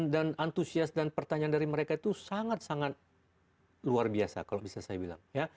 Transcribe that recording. dan antusias dan pertanyaan dari mereka itu sangat sangat luar biasa kalau bisa saya bilang ya